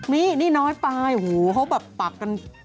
นี่นี่น้อยป้ายอุ้โหเขาก็แบบปากกัน